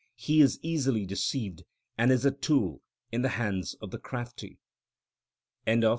He is easily deceived, and is a tool in the hands of the crafty. § 37.